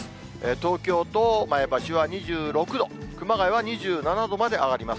東京と前橋は２６度、熊谷は２７度まで上がります。